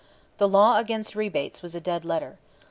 The law against rebates was a dead letter.